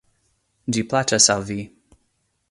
Ĝi plaĉas al vi!